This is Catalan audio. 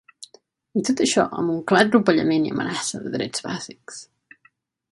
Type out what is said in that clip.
I tot això amb un clar atropellament i amenaça de drets bàsics.